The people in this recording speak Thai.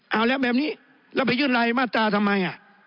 เอาแล้วแบบนี้แล้วไปยื่นรายมาตราทำไม